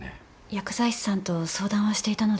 薬剤師さんと相談はしていたのですが。